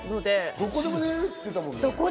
どこでも寝られるって聞いたもんね。